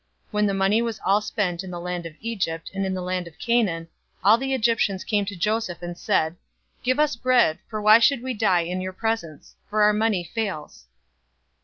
047:015 When the money was all spent in the land of Egypt, and in the land of Canaan, all the Egyptians came to Joseph, and said, "Give us bread, for why should we die in your presence? For our money fails."